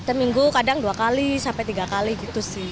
seminggu kadang dua kali sampai tiga kali gitu sih